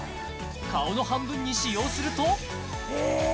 顔の半分に使用するとえっ！？